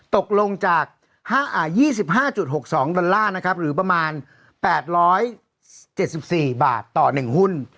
ตกลงจาก๒๕๖๒ดอลลาร์นะครับหรือประมาณ๘๗๔บาทต่อ๑หุ้น